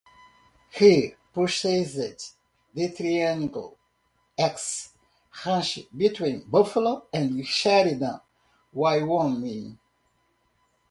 He purchased the Triangle-S ranch between Buffalo and Sheridan, Wyoming.